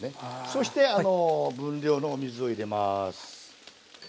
そして分量のお水を入れます。